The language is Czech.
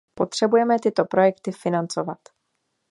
Potřebujeme tyto projekty financovat.